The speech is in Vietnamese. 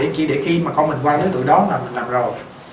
chỉ để khi mà con mình qua đứa tự đó mà mình làm rồi